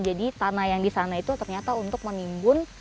jadi tanah yang di sana itu ternyata untuk menimbun